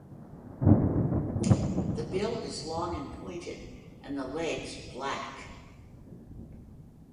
The bill is long and pointed and the legs black.